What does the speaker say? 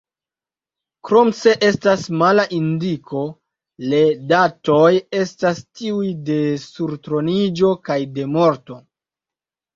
Krom se estas mala indiko, le datoj estas tiuj de surtroniĝo kaj de morto.